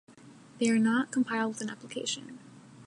They are not compiled with an application.